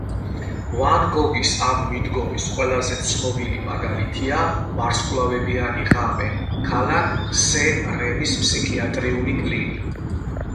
ვან გოგის ამ მიდგომის ყველაზე ცნობილი მაგალითია "ვარსკვლავებიანი ღამე" - ქალაქ სენ-რემის ფსიქიატრიული კლინი